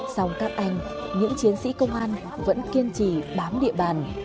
song các anh những chiến sĩ công an vẫn kiên trì bám địa bàn